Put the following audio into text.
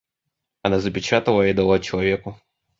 Она запечатала и отдала человеку.